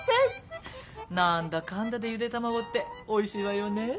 何だかんだでゆで卵っておいしいわよね。